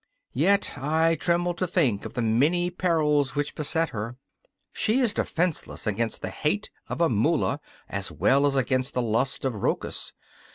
Yet I tremble to think of the many perils which beset her. She is defenceless against the hate of Amula as well as against the lust of Rochus.